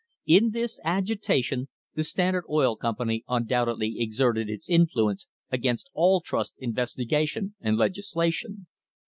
In this agitation the Standard Oil Company undoubtedly exerted its influence against all trust investigation and legislation.